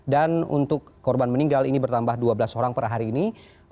dan untuk korban meninggal ini bertambah dua belas orang per hari ini